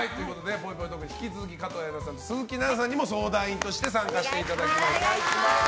ぽいぽいトークに引き続き加藤綾菜さんと鈴木奈々さんにも相談員として参加していただきます。